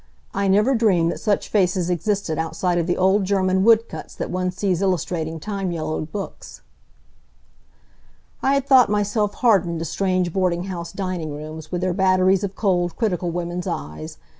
I never dreamed that such faces existed outside of the old German woodcuts that one sees illustrating time yellowed books. I had thought myself hardened to strange boarding house dining rooms, with their batteries of cold, critical women's eyes.